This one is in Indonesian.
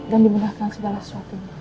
dan dimudahkan segala sesuatu